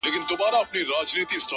د مرگي راتلو ته، بې حده زیار باسه،